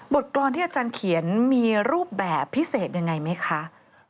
กรอนที่อาจารย์เขียนมีรูปแบบพิเศษยังไงไหมคะ